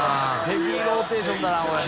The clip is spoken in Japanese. ヘビーローテーションだなこれ。